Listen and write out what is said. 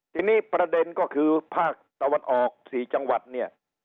ทีนี้ประเด็นก็คือภาคตะวันออก๔จังหวัดเนี่ย